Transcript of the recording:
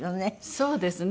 そうですね。